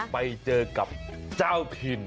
ไปเจอกับเจ้าถิ่น